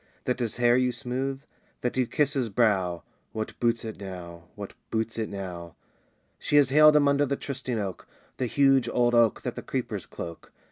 That his hair you smooth? that you kiss his brow, What boots it now? what boots it now? She has haled him under the trysting oak, The huge old oak that the creepers cloak.